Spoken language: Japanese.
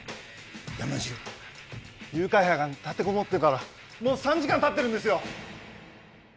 誘拐犯が立てこもってからもう３時間経ってるんですよ！